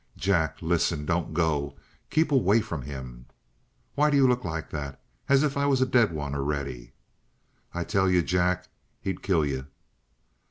"Jack, listen! Don't go; keep away from him!" "Why do you look like that? As if I was a dead one already." "I tell you, Jack, he'd kill you!"